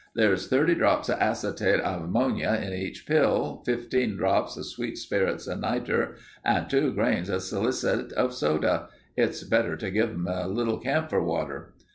There's thirty drops of acetate of ammonia in each pill, fifteen drops of sweet spirits of nitre, and two grains of salicylate of soda. It's better to give 'em in a little camphor water."